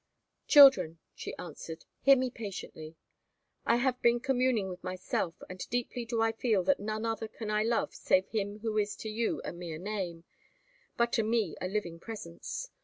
"Children," she answered, "hear me patiently. I have been communing with myself, and deeply do I feel that none other can I love save him who is to you a mere name, but to me a living presence.